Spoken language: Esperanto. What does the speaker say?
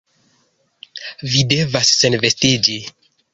Vi devas senvestiĝi...